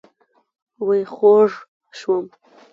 وئ خوږ شوم